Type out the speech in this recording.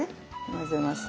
混ぜます。